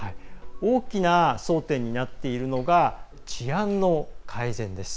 大きな争点になっているのが治安の改善です。